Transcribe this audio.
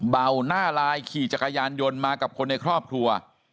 เบาหน้าลายขี่จักรยานยนต์มากับคนในครอบครัว